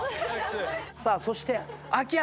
さあそして秋山。